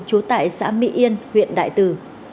chú tại xã mỹ yên huyện đại từ